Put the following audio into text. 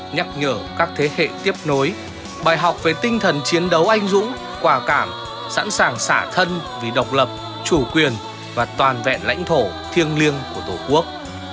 nhắc nhở các thế hệ tiếp nối bài học về tinh thần chiến đấu anh dũng quả cảm sẵn sàng xả thân vì độc lập chủ quyền và toàn vẹn lãnh thổ thiêng liêng của tổ quốc